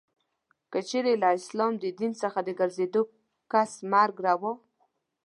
که چیري له اسلام د دین څخه د ګرځېدلې کس مرګ روا.